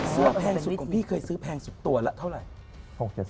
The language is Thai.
เสื้อแพงสุดของพี่เคยซื้อแพงสุดตัวละเท่าไหร่